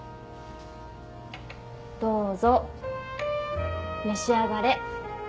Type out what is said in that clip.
どうぞ召し上がれ。